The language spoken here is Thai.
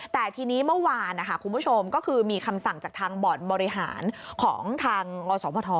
แต่ทีนี้เมื่อวานคุณผู้ชมก็คือมีคำสั่งจากทางบ่อนบริหารของทางอสพ